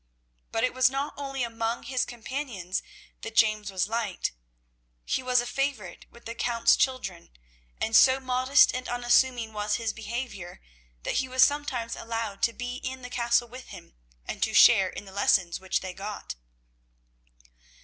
But it was not only among his companions that James was well liked. He was a favourite with the Count's children, and so modest and unassuming was his behaviour that he was sometimes allowed to be in the Castle with them, and to share in the lessons which they got.